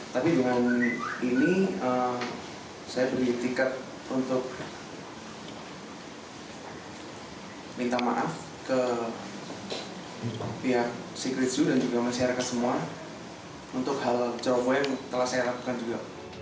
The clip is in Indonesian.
tapi dengan ini saya beri tiket untuk minta maaf ke pihak secret zoo dan juga masyarakat semua untuk hal trauma telah saya lakukan juga